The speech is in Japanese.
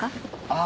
ああ。